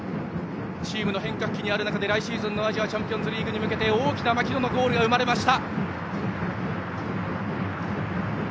チームの変革期にある中で来シーズンのアジアチャンピオンズリーグに向けて大きな槙野のゴールが生まれました。